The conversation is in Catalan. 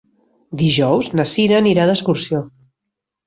Dijous na Cira anirà d'excursió.